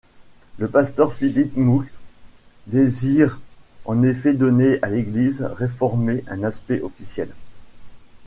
Le pasteur Philippe Mook désire en effet donner à l’Église réformée un aspect officiel.